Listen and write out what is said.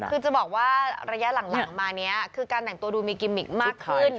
คือจะบอกว่าระยะหลังมานี้คือการแต่งตัวดูมีกิมมิกมากขึ้น